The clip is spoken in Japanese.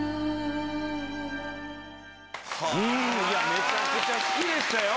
めちゃくちゃ好きでしたよ。